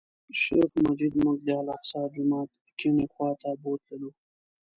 شیخ مجید موږ د الاقصی جومات کیڼې خوا ته بوتللو.